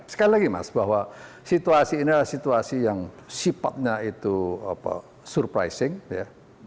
sekali lagi mas bahwa situasi ini adalah situasi yang sifatnya itu surprising ya